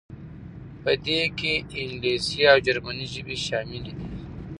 په دې کې انګلیسي او جرمني ژبې شاملې دي.